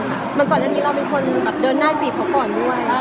เหมือนก่อนหน้านี้เราเป็นคนแบบเดินหน้าจีบเขาก่อนด้วย